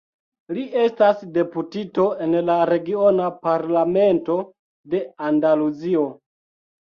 Li estas deputito en la regiona Parlamento de Andaluzio.